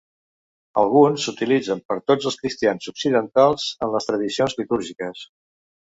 Alguns s'utilitzen per tots els cristians occidentals en les tradicions litúrgiques.